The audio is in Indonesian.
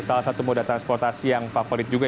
salah satu moda transportasi yang favorit juga